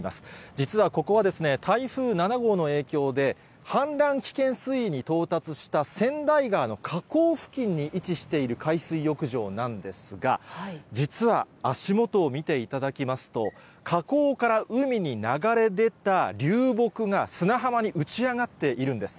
実はここは、台風７号の影響で、氾濫危険水位に到達した千代川の河口付近に位置している海水浴場なんですが、実は足元を見ていただきますと、河口から海に流れ出た流木が砂浜に打ち上がっているんです。